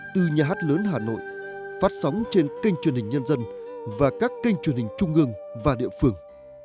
từ nhà hát lớn hà nội phát sóng trên kênh truyền hình nhân dân và các kênh truyền hình trung ương và địa phương